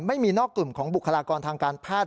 ไม่มีนอกกลุ่มของบุคลากรทางการแพทย์